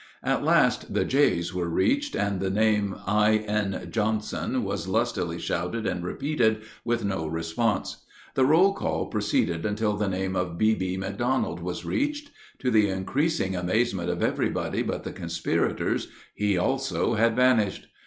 At last the "J's" were reached, and the name of I.N. Johnson was lustily shouted and repeated, with no response. The roll call proceeded until the name of B.B. McDonald was reached. To the increasing amazement of everybody but the conspirators, he also had vanished.